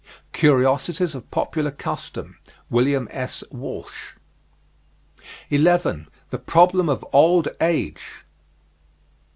"Curiosities of Popular Custom," William S. Walsh. 11. THE PROBLEM OF OLD AGE.